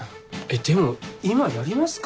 でも今やりますか？